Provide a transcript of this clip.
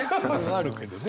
あるけどね。